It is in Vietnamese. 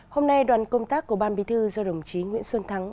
hôm nay đoàn công tác của ban bí thư do đồng chí nguyễn xuân thắng